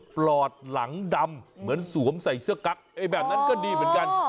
ปลอดหลังดำเหมือนสวมใส่เสื้อกั๊กแบบนั้นก็ดีเหมือนกัน